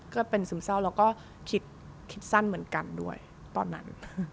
ก็เป็นซึมเศร้าแล้วก็คิดสั้นเหมือนกันด้วยตอนนั้น